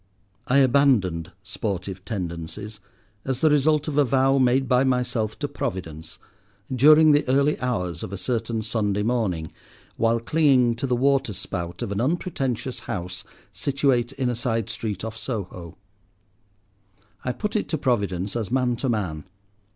I abandoned sportive tendencies as the result of a vow made by myself to Providence, during the early hours of a certain Sunday morning, while clinging to the waterspout of an unpretentious house situate in a side street off Soho. I put it to Providence as man to man.